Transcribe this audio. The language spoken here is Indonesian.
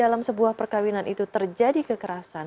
ketika di dalam sebuah perkahwinan itu terjadi kekerasan